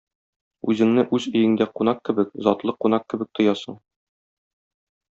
Үзеңне үз өеңдә кунак кебек, затлы кунак кебек тоясың.